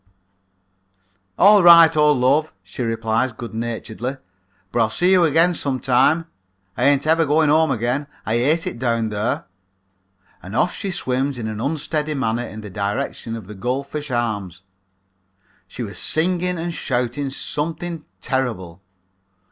"'All right, old love,' she replies good naturedly, 'but I'll see you again some time. I ain't ever going home again. I hate it down there.' And off she swims in an unsteady manner in the direction of the Gold Fish Arms. She was singing and shouting something terrible.